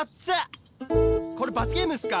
これ罰ゲームっすか？